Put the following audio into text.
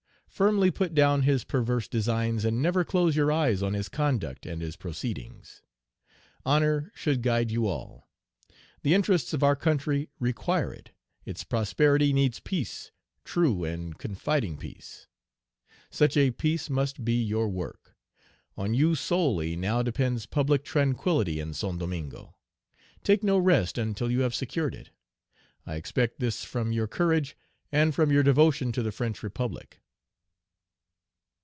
Firmly put down his perverse designs, and never close your eyes on his conduct and his proceedings. Honor Page 123 should guide you all. The interests of our country require it; its prosperity needs peace, true and confiding peace. Such a peace must be your work. On you solely now depends public tranquillity in Saint Domingo. Take no rest until you have secured it. I expect this from your courage and from your devotion to the French Republic."